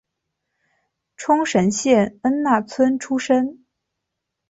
冲绳县恩纳村出身。